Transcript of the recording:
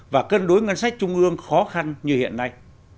và cân đối ngân sách trung ương khó khăn như hiện nay